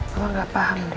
mama gak paham din